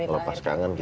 melepas kangen gitu